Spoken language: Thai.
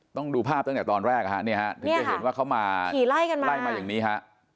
ต้องดูภาพตั้งแต่ตอนแรกถึงจะเห็นว่าเขามาขี่ไล่กันมาไล่มาอย่างนี้ฮะ